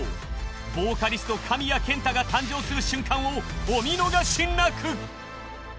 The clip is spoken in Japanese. ボーカリスト神谷健太が誕生する瞬間をお見逃しなく！